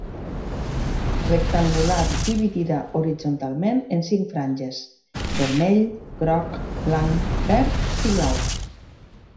Rectangular dividida horitzontalment en cinc franges: vermell, groc, blanc, verd i blau.